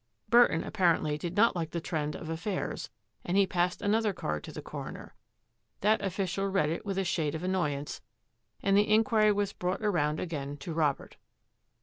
Burton apparently did not like the trend of af fairs and he passed another card to the coroner. That official read It with a shade of annoyance and the Inquiry was brought around again to Robert.